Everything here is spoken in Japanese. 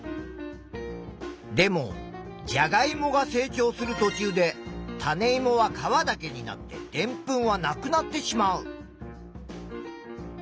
でもじゃがいもが成長するとちゅうで種いもは皮だけになってでんぷんはなくなってしまう。